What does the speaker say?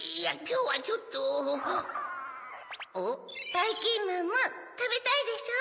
ばいきんまんもたべたいでしょ？